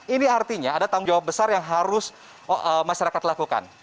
ini artinya ada tanggung jawab besar yang harus masyarakat lakukan